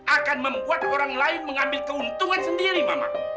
akan membuat orang lain mengambil keuntungan sendiri bapak